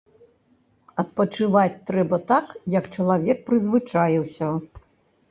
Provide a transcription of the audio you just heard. Адпачываць трэба так, як чалавек прызвычаіўся.